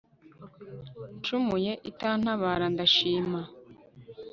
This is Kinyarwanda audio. ncumuye itantabara, ndabishima